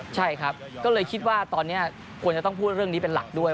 ใช่ครับก็เลยคิดว่าตอนนี้ควรจะต้องพูดเรื่องนี้เป็นหลักด้วย